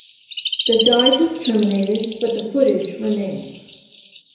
The dive was terminated, but the footage remains.